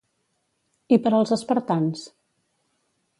I per als espartans?